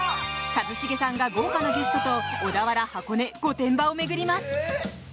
一茂さんが豪華なゲストと小田原、箱根、御殿場を巡ります。